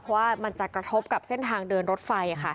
เพราะว่ามันจะกระทบกับเส้นทางเดินรถไฟ